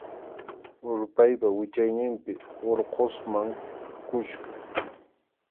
Urpaypa wichayninpi Urqusman kuska.